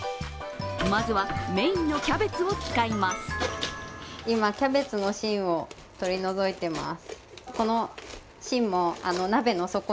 まずはメインのキャベツを使います。